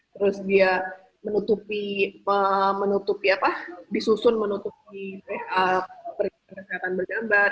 terus dia menutupi disusun menutupi perikatan berjambar